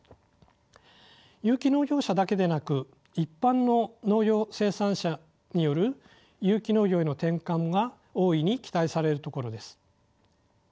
有機農業者だけでなく一般の農業生産者による有機農業への転換が大いに期待されるところです。